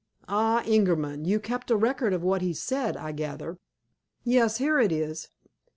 "Ah, Ingerman! You kept a record of what he said, I gather?" "Yes, here it is."